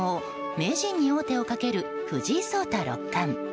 名人に王手をかける藤井聡太六冠。